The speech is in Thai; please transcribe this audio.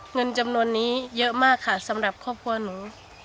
เงินจำนวนนี้เยอะมากค่ะสำหรับครอบครัวหนู